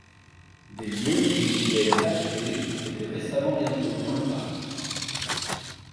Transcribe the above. Des lions et des hyènes tachetées ont été récemment ré-introduits dans le parc.